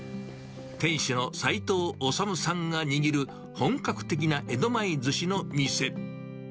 店主の齋藤修さんが握る本格的な江戸前ずしの店。